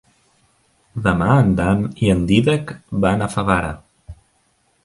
Demà en Dan i en Dídac van a Favara.